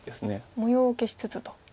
模様を消しつつと。